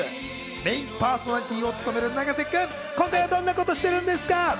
メインパーソナリティーを務める永瀬君、今回はどんなことをしてるんですか？